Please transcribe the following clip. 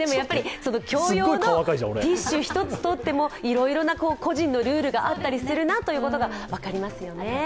共用のティッシュ一つとってもいろいろな個人のルールがあったりするなということが分かりますよね。